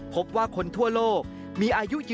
กลับวันนั้นไม่เอาหน่อย